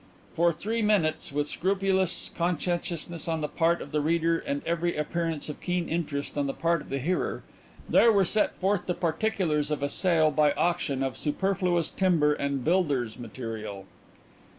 For three minutes, with scrupulous conscientiousness on the part of the reader and every appearance of keen interest on the part of the hearer, there were set forth the particulars of a sale by auction of superfluous timber and builders' material.